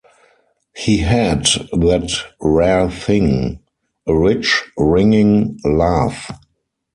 He had that rare thing, a rich, ringing laugh.